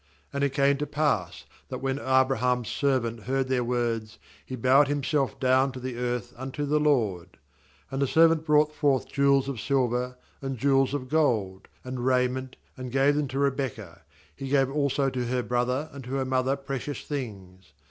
^And it came to pass, that, when Abraham's servant heard their words, he bowed himself down to the earth unto the LORD. MAnd the servant brought forth jewels of silver, and jewels of gold, and raiment, and gave them to Re bekah; he gave also to her brother and to her mother precious things.